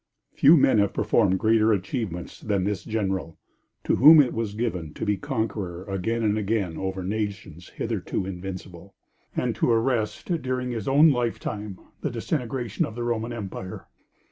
] Few men have performed greater achievements than this general, to whom it was given to be conqueror again and again over nations hitherto invincible, and to arrest, during his own lifetime, the disintegration of the Roman Empire.